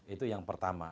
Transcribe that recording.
itu yang pertama